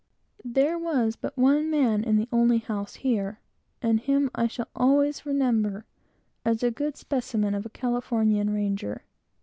There was but one man in the only house here, and him I shall always remember as a good specimen of a California ranger.